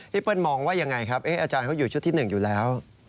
เปิ้ลมองว่ายังไงครับอาจารย์เขาอยู่ชุดที่๑อยู่แล้ว